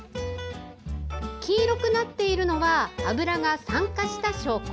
黄色くなっているのは脂が酸化した証拠。